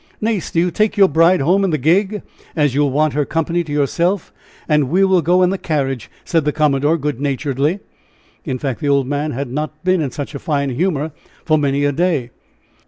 "Nace, do you take your bride home in the gig, as you will want her company to yourself, and we will go in the carriage," said the commodore, good naturedly. In fact, the old man had not been in such a fine humor for many a day.